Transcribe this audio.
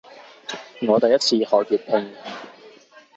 我第一次學粵拼